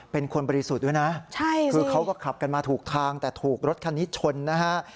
เป็นคนบริสุทธิ์ด้วยนะคือเขาก็ขับกันมาถูกทางแต่ถูกรถคันนี้ชนนะฮะ